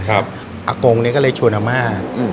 อากงก็เลยชวนอาม่า